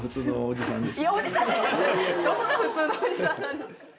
どこが普通のおじさんなんですか。